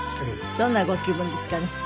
どんなご気分ですかね？